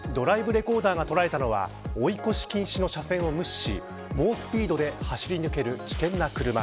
ドライブレコーダーが捉えたのは追い越し禁止の車線を無視し猛スピードで走り抜ける危険な車。